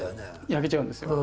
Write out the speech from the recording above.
焼けちゃうんですよ。